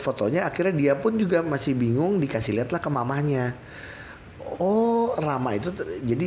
fotonya akhirnya dia pun juga masih bingung dikasih lihatlah ke mamahnya oh rama itu jadi